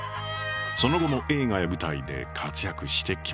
その後も映画や舞台で活躍してきました。